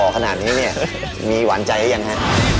ขนาดนี้เนี่ยมีหวานใจหรือยังฮะ